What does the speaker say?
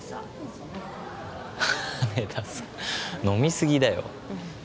その羽田さん飲みすぎだよ